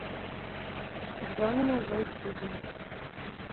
Экзамены ўжо ў студзені.